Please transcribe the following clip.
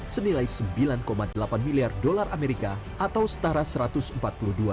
senilai sembilan delapan miliar dolar amerika atau setara satu ratus empat puluh dua miliar